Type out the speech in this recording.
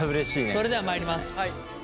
それではまいります。